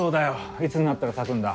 いつになったら咲くんだ？